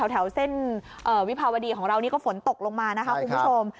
แถวเส้นวิภาวดีของเรานี่ก็ฝนตกลงมานะคะคุณผู้ชม